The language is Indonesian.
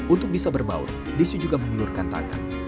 untuk bisa berbaut desi juga menyeluruhkan tangan